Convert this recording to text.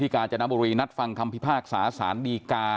การจนบุรีนัดฟังคำพิพากษาสารดีกา